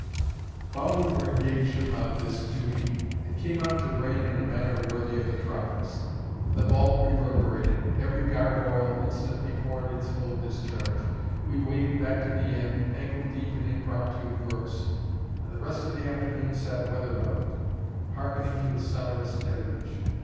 While we were engaged upon this duty, it came on to rain in a manner worthy of the tropics. The vault reverberated; every gargoyle instantly poured its full discharge; we waded back to the inn, ankle deep in impromptu brooks; and the rest of the afternoon sat weatherbound, hearkening to the sonorous deluge.